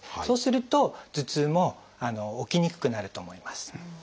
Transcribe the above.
そうすると頭痛も起きにくくなると思います。